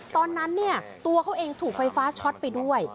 ตอนนั้นเนี่ยตัวเขาเองถูกไฟฟ้าช็อตไปด้วย